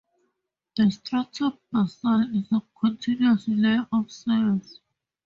The "stratum basale" is a continuous layer of cells.